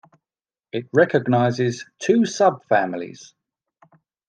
It recognizes two subfamilies.